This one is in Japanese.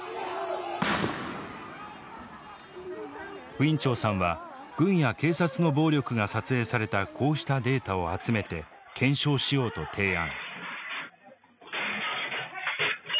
ウィン・チョウさんは軍や警察の暴力が撮影されたこうしたデータを集めて検証しようと提案。